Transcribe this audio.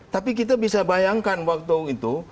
tapi kita bisa bayangkan waktu itu